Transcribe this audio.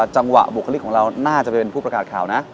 จังหวะบุคลิกของเราน่าจะเป็นผู้ประกาศข่าวนะ